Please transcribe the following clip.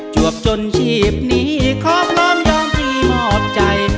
วกจนชีพนี้ขอพร้อมยอมที่มอบใจ